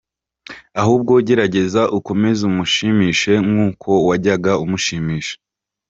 Ahubwo gerageza ukomeze umushimishe nkuko wajyaga umushimisha,.